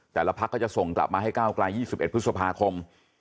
แต่ละพักก็จะส่งกลับมาให้ก้าวกลาย๒๑พฤษภาคม